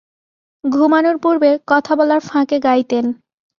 ঘুমানোর পূর্বে, কথা বলার ফাঁকে গাইতেন।